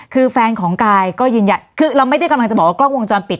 คือแฟนของกายก็ยืนยันคือเราไม่ได้กำลังจะบอกว่ากล้องวงจรปิด